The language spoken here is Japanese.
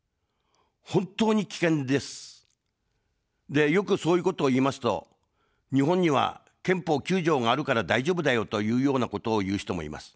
で、よく、そういうことを言いますと、日本には憲法９条があるから大丈夫だよというようなことを言う人もいます。